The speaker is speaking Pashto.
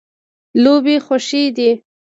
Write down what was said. لوبې خوښې دي.